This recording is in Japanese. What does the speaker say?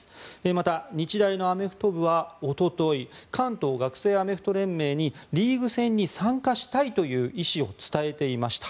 また、日大のアメフト部はおととい関東学生アメフト連盟にリーグ戦に参加したいという意思を伝えていました。